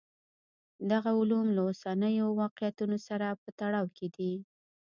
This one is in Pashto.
دغه علوم له اوسنیو واقعیتونو سره په تړاو کې دي.